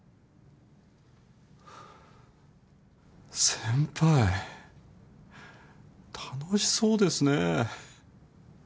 先輩楽しそうですね。